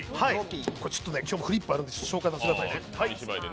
今日はフリップがあるので紹介させてください。